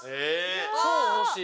超欲しい！